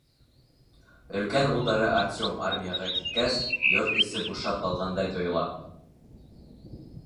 Өлкән улдары Артем армияға киткәс, йорт эсе бушап ҡалғандай тойола.